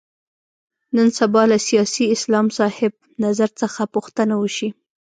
نن سبا له سیاسي اسلام صاحب نظر څخه پوښتنه وشي.